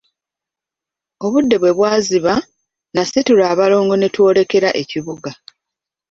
Obudde bwe bwaziba, nasitula abalongo ne twolekera ekibuga.